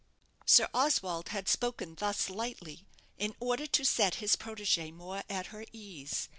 Sir Oswald had spoken thus lightly, in order to set his protégée more at her ease.